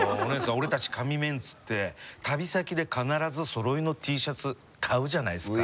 俺たち神メンツって旅先で必ずそろいのＴシャツ買うじゃないですか。